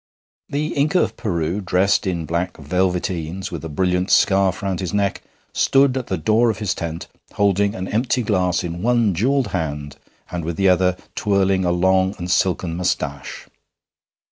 The Inca of Peru, dressed in black velveteens, with a brilliant scarf round his neck, stood at the door of his tent, holding an empty glass in one jewelled hand, and with the other twirling a long and silken moustache.